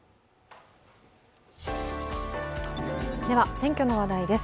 選挙の話題です。